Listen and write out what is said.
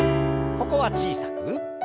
ここは小さく。